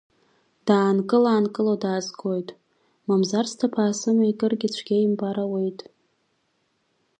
Даанкыла-аанкыло даазгоит, мамзар сҭыԥ аасымеикыргьы цәгьа имбар ауеит!